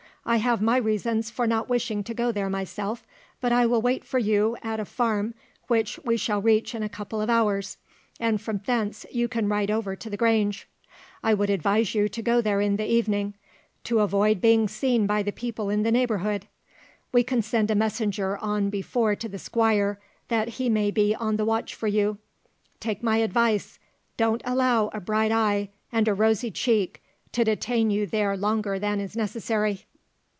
"I have my reasons for not wishing to go there myself, but I will wait for you at a farm which we shall reach in a couple of hours, and from thence you can ride over to the Grange. I would advise you to go there in the evening, to avoid being seen by the people in the neighbourhood. We can send a messenger on before to the Squire, that he may be on the watch for you. Take my advice: don't allow a bright eye and a rosy cheek to detain you there longer than is necessary."